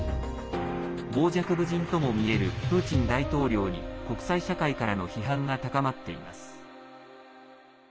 傍若無人とも見えるプーチン大統領に国際社会からの批判が高まっています。